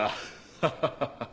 ハハハハッ。